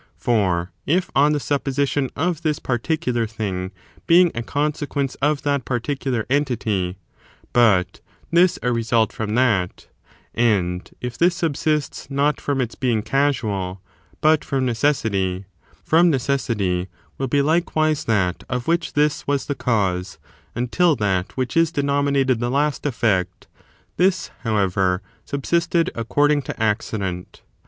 For, if on the supposition of this particular thing being a consequence of that particular entity, but this a result from that, and if this subsists not from its being casual, but from necessity, from necessity will be like wise that of which this was the cause, imtil that which is denominated the last effect; this, however, subsisted accord ing to accident.